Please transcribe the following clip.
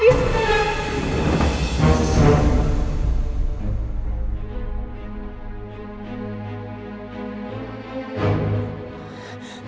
jadi apa how puerta ini terluka